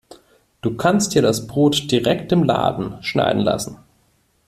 Du kannst dir das Brot direkt im Laden schneiden lassen.